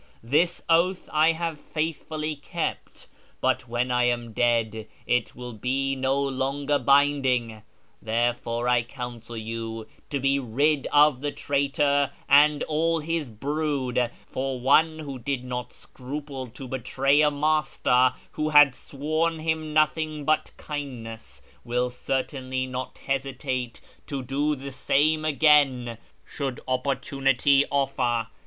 This oath I have faithfully kept ; but when I am dead it will be no longer binding. Therefore I counsel you to be rid of the traitor and all his brood, for one who did not scruple to betray a master who had shown him nothing but kindness will certainly not hesitate to do the same again should opportunity offer.